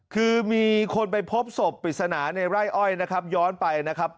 คือมีคนไปพบศพปริศนาในไร่อ้อยนะครับย้อนไปนะครับ